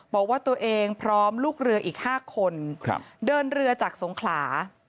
บอกว่าตัวเองพร้อมลูกเรืออีก๕คนเดินเรือจากสงขลา